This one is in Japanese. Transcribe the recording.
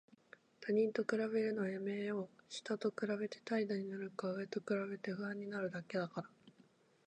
他人と比べるのはやめよう。下と比べて怠惰になるか、上と比べて不安になるだけだから。